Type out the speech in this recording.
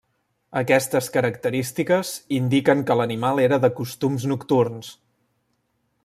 Aquestes característiques indiquen que l'animal era de costums nocturns.